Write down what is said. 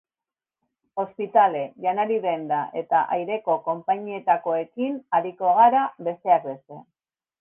Ospitale, janari denda, eta aireko konpainietakoekin ariko gara, besteak beste.